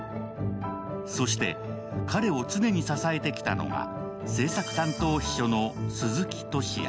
そして、彼を常に支えてきたのが政策担当秘書の鈴木俊哉。